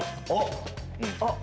あっ。